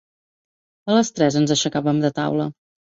A les tres ens aixecàvem de taula.